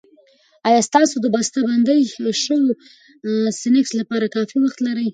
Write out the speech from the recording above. ایا تاسو د بستهبندي شويو سنکس لپاره کافي وخت لرئ؟